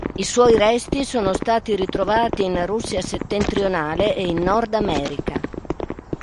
I suoi resti sono stati ritrovati in Russia settentrionale e in Nordamerica.